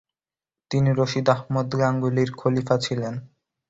তিনি রশিদ আহমদ গাঙ্গুহির খলিফা ছিলেন।